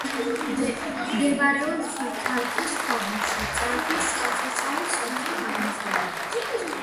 მდებარეობს წალკის ქვაბულში, წალკის წყალსაცავის სამხრეთ-აღმოსავლეთით.